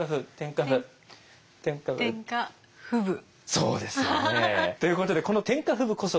そうですよね！ということでこの天下布武こそがですね